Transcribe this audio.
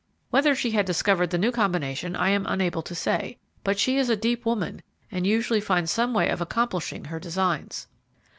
Whether she had discovered the new combination, I am unable to say; but she is a deep woman, and usually finds some way of accomplishing her designs."